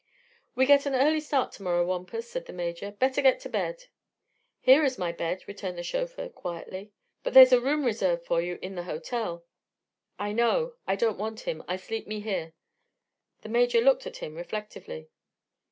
"We get an early start to morrow, Wampus," said the Major. "Better get to bed." "Here is my bed," returned the chauffeur, quietly. "But there's a room reserved for you in the hotel." "I know. Don't want him. I sleep me here." The Major looked at him reflectively.